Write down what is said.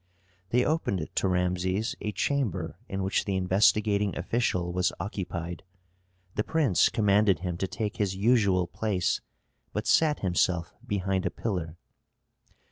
They opened to Rameses a chamber in which the investigating official was occupied. The prince commanded him to take his usual place, but sat himself behind a pillar.